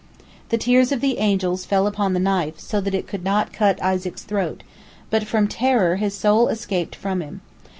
The tears of the angels fell upon the knife, so that it could not cut Isaac's throat, but from terror his soul escaped from him.